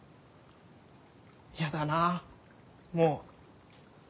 嫌だなもう。